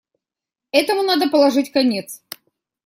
Этому надо положить конец.